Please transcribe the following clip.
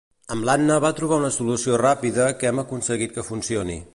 Amb l'Anna va trobar una solució ràpida que hem aconseguit que funcioni.